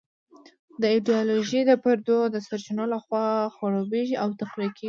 دا ایډیالوژي د پردو د سرچینو لخوا خړوبېږي او تقویه کېږي.